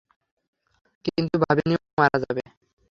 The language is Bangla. কিন্তু ভাবিনি ও মারা যাবে।